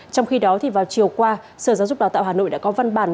trong khi đó vào chiều qua sở giáo dục đào tạo hà nội đã có văn bản